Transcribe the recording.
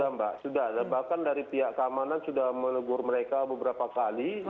sudah mbak sudah bahkan dari pihak keamanan sudah melegur mereka beberapa kali